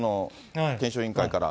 検証委員会から。